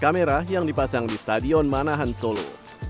tiga belas kamera yang dipasang di stadion manahan solo